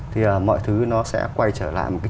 thì mọi thứ nó sẽ quay trở lại